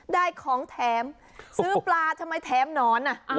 ได้ของแถมซื้อปลาทำไมแถมหนอน